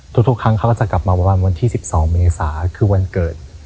ทุกครั้งเขาก็จะกลับมาประมาณวันที่๑๒เมษาคือวันเกิด